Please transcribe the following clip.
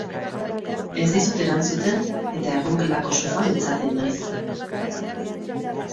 Ez dizut erantzuten, eta egongelako sofan etzaten naiz.